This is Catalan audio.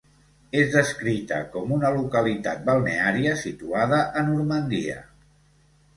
És descrita com una localitat balneària situada a Normandia.